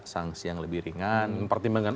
sanksi yang lebih ringan mempertimbangkan